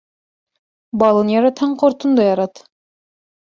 Балын яратһаң, ҡортон да ярат.